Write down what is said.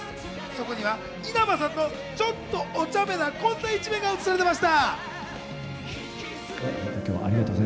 そこには稲葉さんのちょっとおちゃめな、こんな一面が映されていました。